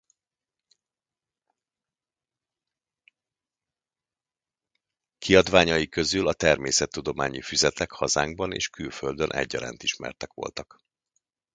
Kiadványai közül a Természettudományi Füzetek hazánkban és külföldön egyaránt ismertek voltak.